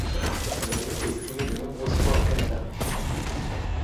Le groupe est primé de nombreuses fois au Canada.